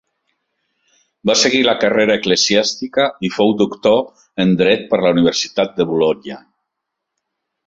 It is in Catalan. Va seguir la carrera eclesiàstica i fou doctor en dret per la Universitat de Bolonya.